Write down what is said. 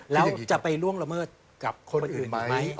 แล้วจะไปล่วงละเมิดกับคนอื่นอีกไหม